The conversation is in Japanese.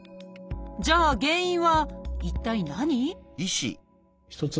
じゃあ原因は一体何？